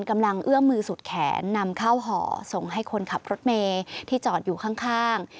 เอื้อมมือสุดแขนนำเข้าห่อส่งให้คนขับรถเมย์ที่จอดอยู่ข้าง